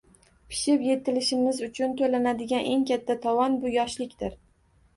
Pishib-yetilishimiz uchun to’lanadigan eng katta tovon bu – yoshlikdir.